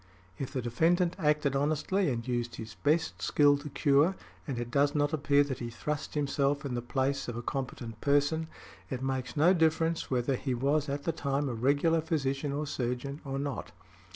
If the defendant acted honestly and used his best skill to cure, and it does not appear that he thrust himself in the place of a competent person, it makes no difference whether he was at the time a regular physician or surgeon, or not.